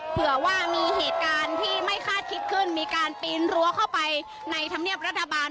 เผื่อว่ามีเหตุการณ์ที่ไม่คาดคิดขึ้นมีการปีนรั้วเข้าไปในธรรมเนียบรัฐบาล